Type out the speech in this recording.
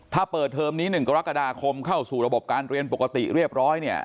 ถ้าเปิดเทอมนี้๑กรกฎาคมเข้าสู่ระบบการเรียนปกติเรียบร้อยเนี่ย